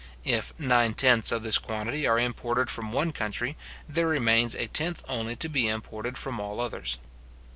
If nine tenths of this quantity are imported from one country, there remains a tenth only to be imported from all others.